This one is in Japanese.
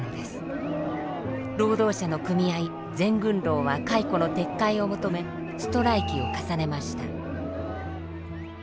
労働者の組合全軍労は解雇の撤回を求めストライキを重ねました。